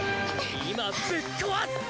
今ぶっ壊す！